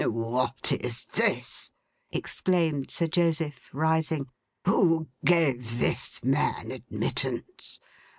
'What is this!' exclaimed Sir Joseph, rising. 'Who gave this man admittance?